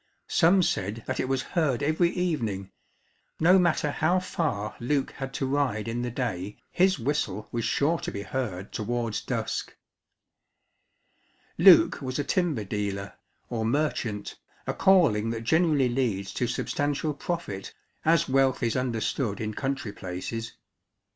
Some said that it was heard every evening: no matter how far Luke had to ride in the day, his whistle was sure to be heard towards dusk. Luke was a timber dealer, or merchant, a calling that generally leads to substantial profit as wealth is understood in country places.